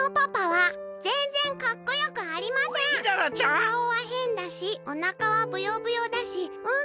「かおはへんだしおなかはブヨブヨだしうん